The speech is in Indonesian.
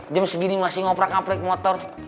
jam segini masih ngoprak ngaprik motor